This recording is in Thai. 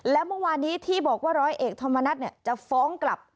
และเมื่อวานนี้ที่บอกว่าร้อยเอกธรรมนัฐจะฟ้องกลับ